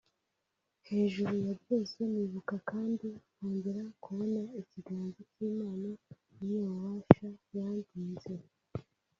Hejuru ya byose nibuka kandi nkongera kubona ikiganza cy’Imana y’Inyabubasha yandinze